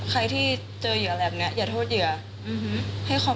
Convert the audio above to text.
ใครที่เจอเหยื่อแบบนี้อย่าโทษเหยื่อ